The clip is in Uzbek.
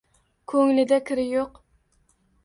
Ko`nglida kiri yo`q